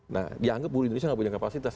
nah dianggap buruh indonesia nggak punya kapasitas